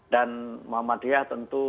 dan muhammadiyah tentu